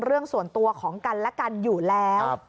เรื่องส่วนตัวของกันและกันอยู่แล้ว